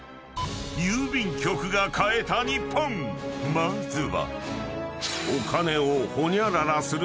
［まずは］